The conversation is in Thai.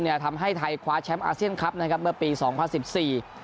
เนี่ยทำให้ไทยคว้าแชมป์อาเซียนคลับนะครับเมื่อปีสองพันสิบสี่